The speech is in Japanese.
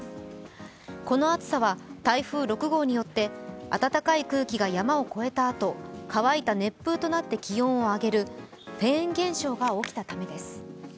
この暑さは台風６号によって温かい空気が山を越えたあと、乾いた熱風となって気温を上げるフェーン現象が起きたためです。